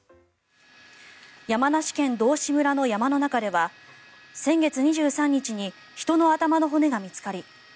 山梨県道志村の山の中では先月２３日に人の頭の骨が見つかり